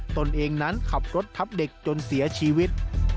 ตนเองนั้นขับรถทับเด็กจนเสียชีวิต